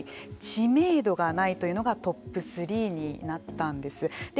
知名度がないというのがトップ３になったんです。